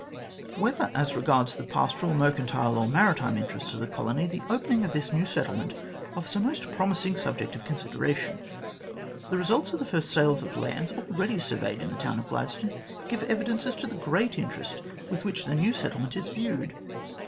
"Whether as regards the pastoral, mercantile, or maritime interests of the colony, the opening of this new settlement offers a most promising subject of consideration. The results of the first sales of lands, already surveyed in the town of Gladstone, give evidence .as to the great interest with which the new settlement is viewed.